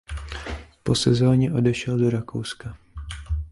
Po sezoně odešel do Rakouska.